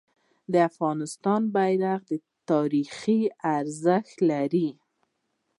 د افغانستان بیرغ تاریخي ارزښت لري.